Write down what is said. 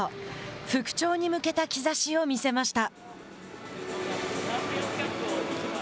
復調に向けた兆しを見せました。